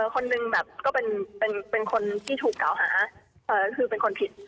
คนหนึ่งแบบก็เป็นคนที่ถูกกล่าวหาก็คือเป็นคนผิด